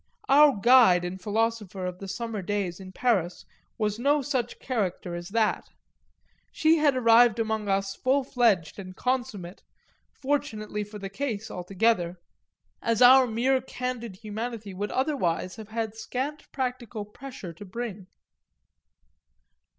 Our guide and philosopher of the summer days in Paris was no such character as that; she had arrived among us full fledged and consummate, fortunately for the case altogether as our mere candid humanity would otherwise have had scant practical pressure to bring.